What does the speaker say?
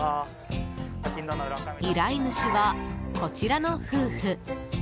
依頼主はこちらの夫婦。